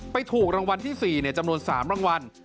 ถูกรางวัลที่๔จำนวน๓รางวัล